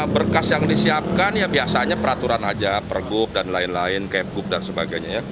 berkas yang disiapkan biasanya peraturan aja pergub dan lain lain kegub dan sebagainya